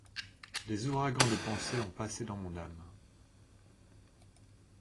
Des ouragans de pensées ont passé dans mon âme.